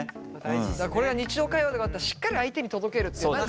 これが日常会話だったらしっかり相手に届けるって。